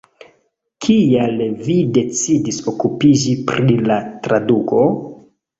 Kial vi decidis okupiĝi pri la traduko?